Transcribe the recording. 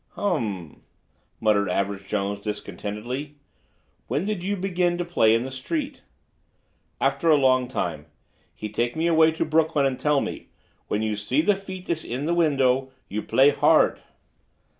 "Um—m," muttered Average Jones discontentedly. "When did you begin to play in the street?" "After a long time. He take me away to Brooklyn and tell me, 'When you see the feet iss in the window you play hard!